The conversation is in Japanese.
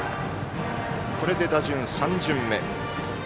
これで打順、３巡目。